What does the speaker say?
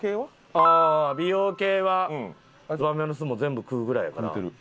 ああ美容系はつばめの巣も全部食うぐらいやから。